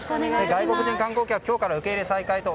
外国人観光客今日から受け入れ再開と。